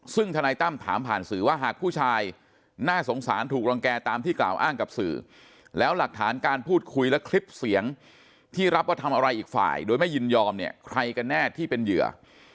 ซึ่งธนายตั้มถามผ่านสื่อว่าหากผู้ชายน่าสงสารถูกรังแก่ตามที่กล่าวอ้างกับสื่อแล้วหลักฐานการพูดคุยและคลิปเสียงที่รับว่าทำอะไรอีกฝ่ายโดยไม่ยินยอมเนี่ยใครกันแน่ที่เป็นเหยื่อ